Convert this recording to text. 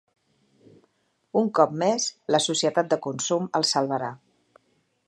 Un cop més, la societat de consum els salvarà.